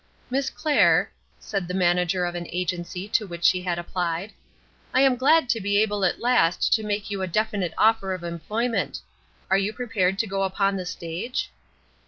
"Miss Clair," said the manager of an agency to which she had applied, "I am glad to be able at last to make you a definite offer of employment. Are you prepared to go upon the stage?"